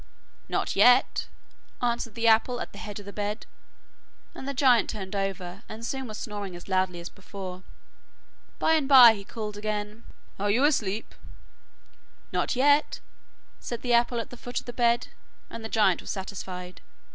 'Not yet,' answered the apple at the head of the bed, and the giant turned over, and soon was snoring as loudly as before. By and bye he called again. 'Are you asleep?' 'Not yet,' said the apple at the foot of the bed, and the giant was satisfied.